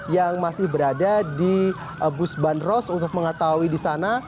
yang masih berada di busbanros untuk mengetahui di sana